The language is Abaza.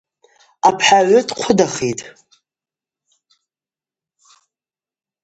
Абхӏагӏвы дхъвыдахитӏ.